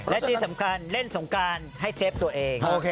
และที่สำคัญเล่นสงการให้เซฟตัวเอง